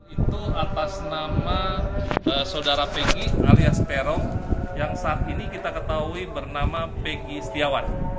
itu atas nama saudara pengki alias peron yang saat ini kita ketahui bernama peggy setiawan